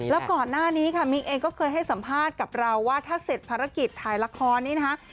แล้วก่อนหน้านี้ค่ะมิ๊กเองก็เคยให้สัมภาษณ์กับเราว่าถ้าเสร็จภารกิจถ่ายละครนี้นะคะ